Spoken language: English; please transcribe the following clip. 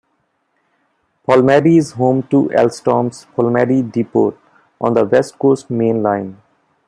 Polmadie is home to Alstom's Polmadie Depot on the West Coast Main Line.